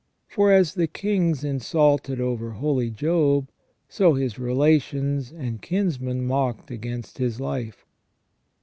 For as the kings insulted over holy Job, so his relations and kinsmen mocked against his life."